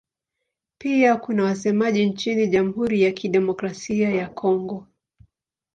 Pia kuna wasemaji nchini Jamhuri ya Kidemokrasia ya Kongo.